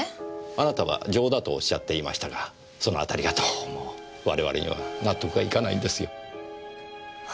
あなたは情だとおっしゃっていましたがそのあたりがどうも我々には納得がいかないんですよ。